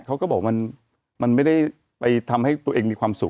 เขาก็บอกว่ามันไม่ได้ไปทำให้ตัวเองมีความสุข